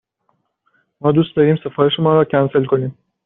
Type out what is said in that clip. ما دوست داریم سفارش مان را کنسل کنیم.